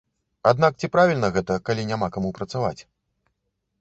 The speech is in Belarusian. Аднак ці правільна гэта, калі няма каму працаваць?!